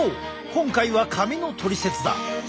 今回は髪のトリセツだ！